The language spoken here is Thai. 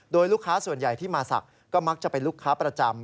โดยลูกค้าส่วนใหญ่ที่มาศักดิ์ก็มักจะเป็นลูกค้าประจำ